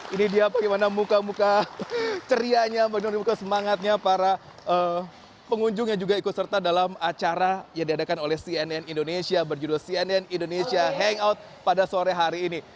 ini dia bagaimana muka muka cerianya menurunkan semangatnya para pengunjung yang juga ikut serta dalam acara yang diadakan oleh cnn indonesia berjudul cnn indonesia hangout pada sore hari ini